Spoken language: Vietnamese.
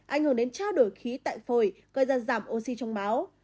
ảnh hưởng đến trao đổi khí tại phổi gây ra giảm oxy trong máu